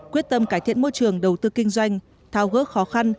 quyết tâm cải thiện môi trường đầu tư kinh doanh thao gớ khó khăn